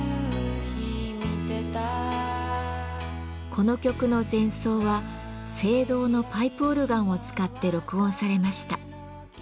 この曲の前奏は聖堂のパイプオルガンを使って録音されました。